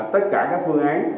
tất cả các phương án